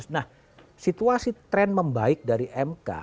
nah situasi tren membaik dari mk